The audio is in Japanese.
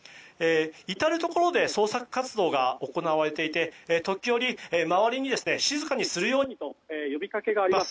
至るところで捜索活動が行われていて時折、周りに静かにするようにと呼びかけがあります。